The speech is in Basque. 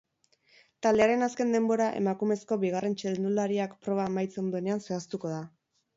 Taldearen azken denbora emakumezko bigarren txirrindulariak proba amaitzen duenean zehaztuko da.